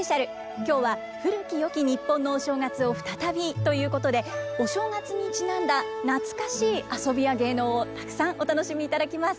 今日は「古きよき日本のお正月を再び」ということでお正月にちなんだ懐かしい遊びや芸能をたくさんお楽しみいただきます。